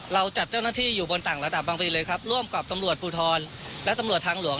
เราจัดเจ้าหน้าที่อยู่บนต่างระดับบางปีเลยครับร่วมกับตำรวจภูทรและตำรวจทางหลวง